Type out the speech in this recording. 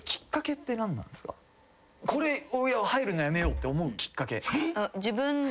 これ入るのやめようって思うきっかけ。